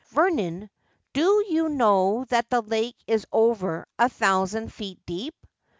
' Vernon, do you know that the lake is over a thou sand feet deep